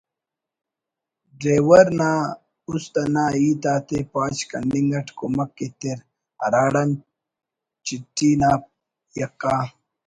ڈیور نا است انا ہیت آتے پاش کننگ اٹ کمک ایتر ہراڑان چٹھی نا یکا